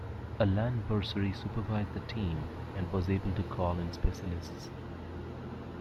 Alan Borsari supervised the team and was able to call in specialists.